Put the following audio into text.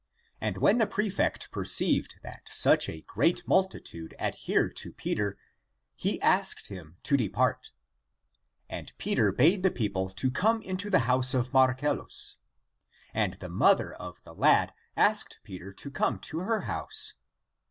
And when the prefect perceived that such a great multitude adhered to Peter, he asked him to depart. And Peter bade the people to come into the house of Marcellus. And the mother of the lad asked Peter to come to her house.